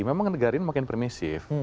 memang negara ini makin permisif